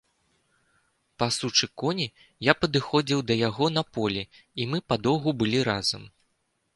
Пасучы коні, я падыходзіў да яго на полі, і мы падоўгу былі разам.